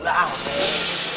udah aku sayang